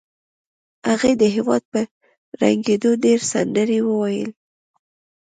هغې د هېواد په ړنګېدو ډېرې سندرې وویلې